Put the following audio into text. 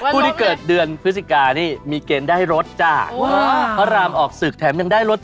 อยู่ดีก็มาเฉยอย่างงี้